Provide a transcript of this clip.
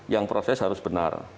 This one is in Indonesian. yang proses harus benar